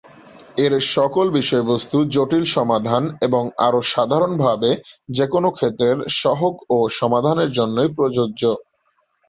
এর সকল বিষয়বস্তু জটিল সমাধান, এবং আরও সাধারণভাবে, যেকোন ক্ষেত্রের সহগ ও সমাধানের জন্যই প্রযোজ্য।